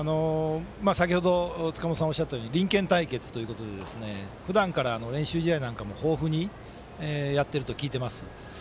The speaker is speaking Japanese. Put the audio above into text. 先程、塚本さんがおっしゃったように隣県対決ということでふだんから練習試合も豊富にやっていると聞いています。